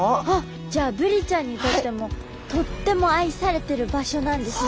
じゃあブリちゃんにとってもとっても愛されてる場所なんですね